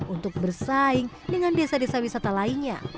untuk bersaing dengan desa desa wisata lainnya